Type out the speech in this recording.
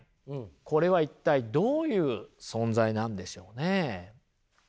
これは一体どういう存在なんでしょうね。